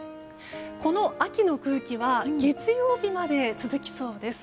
この秋の空気は月曜日まで続きそうです。